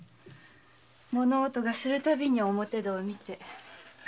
物音がする度に表戸を見て。